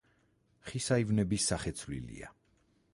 ხის აივნები სახეცვლილია.